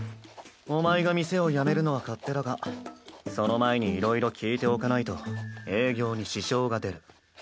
お前が店を辞めるのは勝手だがその前にいろいろ聞いておかないと営業に支障が出る。